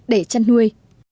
để chăn nuôi